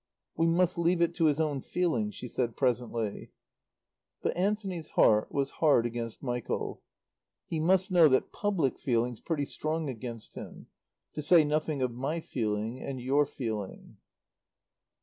"We must leave it to his own feeling," she said presently. But Anthony's heart was hard against Michael. "He must know that public feeling's pretty strong against him. To say nothing of my feeling and your feeling."